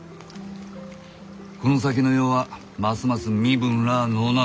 この先の世はますます身分らあのうなっていく。